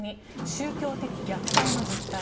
宗教的虐待の実態。